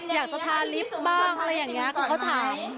อยากจะทาลิฟต์บ้างอะไรอย่างนี้คือเขาถาม